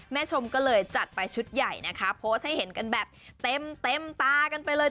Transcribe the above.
ชมก็เลยจัดไปชุดใหญ่นะคะโพสต์ให้เห็นกันแบบเต็มตากันไปเลย